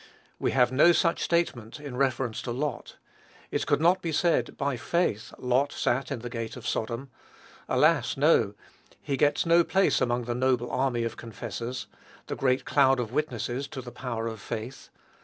We have no such statement in reference to Lot. It could not be said, "By faith Lot sat in the gate of Sodom." Alas! no: he gets no place among the noble army of confessors, the great cloud of witnesses to the power of faith.